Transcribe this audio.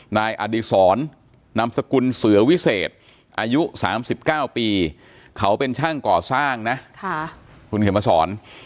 นายอดีศรนามสกุลเสือวิเศษอายุ๓๙ปีเขาเป็นช่างก่อสร้างนะคุณเขียนมาสอน